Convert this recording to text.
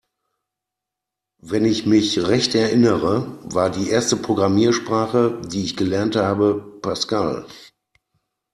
Wenn ich mich recht erinnere, war die erste Programmiersprache, die ich gelernt habe, Pascal.